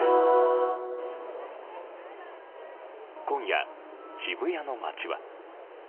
今夜、渋谷の街は。